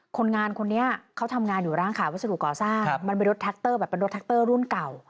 คนงานคนนี้เขาทำงานอยู่ร้านขายวัสดุก่อสร้างมันเป็นรถแท็กเตอร์แบบเป็นรถแท็กเตอร์รุ่นเก่า